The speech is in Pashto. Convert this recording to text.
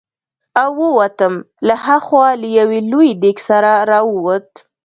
او ووتم، له ها خوا له یو لوی دېګ سره را ووت.